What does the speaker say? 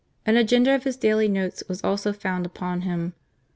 An agenda of his daily notes was also found upon him.